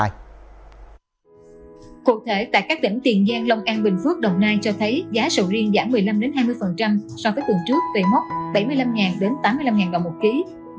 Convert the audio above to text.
cụ thể tại các tỉnh tiền giang long an bình phước đồng nai cho thấy giá sầu riêng giảm một mươi năm hai mươi so với tuần trước về mốc bảy mươi năm đến tám mươi năm đồng một ký